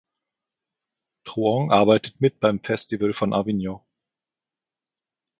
Truong arbeitet mit beim Festival von Avignon.